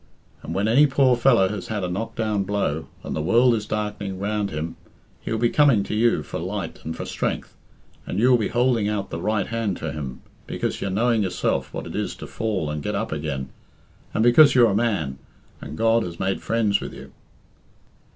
And when any poor fellow has had a knock down blow, and the world is darkening round him, he'll be coming to you for light and for strength, and you'll be houlding out the right hand to him, because you're knowing yourself what it is to fall and get up again, and because you're a man, and Grod has made friends with you."